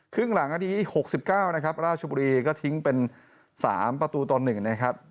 ครึ่งหลังนาที๖๙นะครับราชบุรีก็ทิ้งเป็น๓ประตูต่อ๑นะครับ